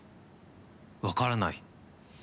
わからない。